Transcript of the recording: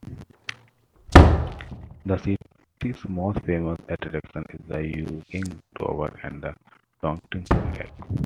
The city's most famous attraction is the Yueyang Tower and Dongting Lake.